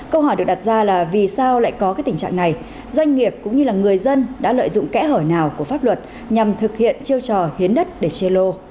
câu hỏi được đặt ra là vì sao lại có tình trạng này doanh nghiệp cũng như là người dân đã lợi dụng kẽ hở nào của pháp luật nhằm thực hiện chiêu trò hiến đất để chê lô